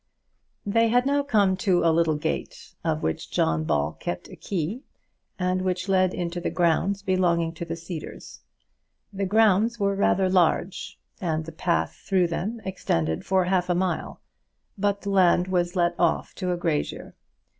They had now come to a little gate, of which John Ball kept a key, and which led into the grounds belonging to the Cedars. The grounds were rather large, and the path through them extended for half a mile, but the land was let off to a grazier.